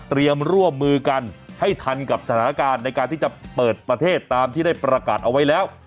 ร่วมมือกันให้ทันกับสถานการณ์ในการที่จะเปิดประเทศตามที่ได้ประกาศเอาไว้แล้ว